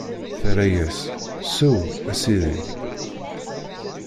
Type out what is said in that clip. Terra-yas: Sew, a Sidi.